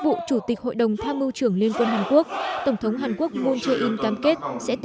vụ chủ tịch hội đồng tham mưu trưởng liên quân hàn quốc tổng thống hàn quốc moon jae in cam kết sẽ